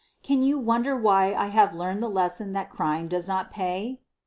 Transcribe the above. Can you wonder why I have learned the lesson that crime does not pay?